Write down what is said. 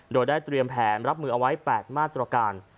โดยได้เตรียมแผนรับมือเอาไว้๘มาตรการ